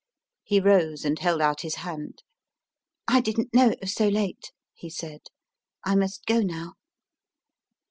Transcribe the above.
He rose and held out his hand. I didn t know it was so late, he said, I must go now.